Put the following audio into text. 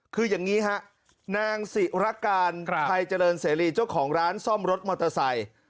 คืออย่างนี้ฮะนางศิรการไทยเจริญเสรีเจ้าของร้านซ่อมรถมอเตอร์ไซค์